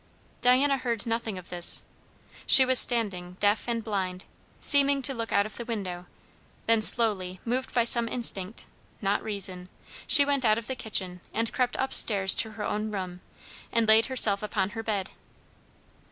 Diana heard nothing of this. She was standing, deaf and blind, seeming to look out of the window; then slowly, moved by some instinct, not reason, she went out of the kitchen and crept up stairs to her own room and laid herself upon her bed.